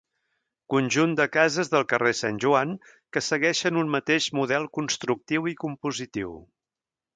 Conjunt de cases del carrer Sant Joan que segueixen un mateix model constructiu i compositiu.